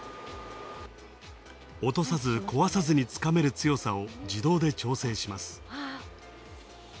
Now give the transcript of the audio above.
落とさず、壊さずにつかめる強さを自動で調整します。